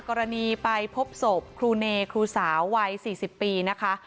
กรณีไปพบศพครูเนครูสาววัย๔๐ปีนะคะ